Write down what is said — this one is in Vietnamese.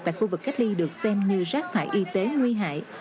tại khu vực cách ly được xem như rác thải y tế nguy hại